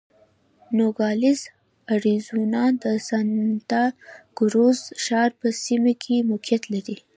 نوګالس اریزونا د سانتا کروز ښار په سیمه کې موقعیت لري.